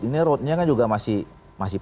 ini roadnya kan juga masih